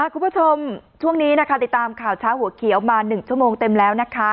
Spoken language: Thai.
คุณผู้ชมช่วงนี้นะคะติดตามข่าวเช้าหัวเขียวมา๑ชั่วโมงเต็มแล้วนะคะ